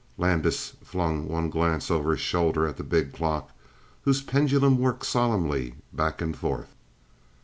Landis flung one glance over his shoulder at the big clock, whose pendulum worked solemnly back and forth.